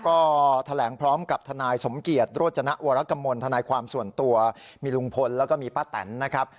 ก็แถลงพร้อมกับทนายสมเกียจโรจนวรกมลทนายความส่วนตัวมีลุงพลแล้วก็มีป้าแตนนะครับ